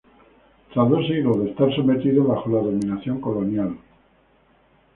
Tras dos siglos de estar sometidos bajo la dominación colonial